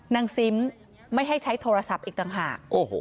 ซิมไม่ให้ใช้โทรศัพท์อีกต่างหาก